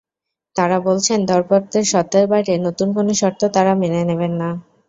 তাঁরা বলছেন, দরপত্রের শর্তের বাইরে নতুন কোনো শর্ত তাঁরা মেনে নেবেন না।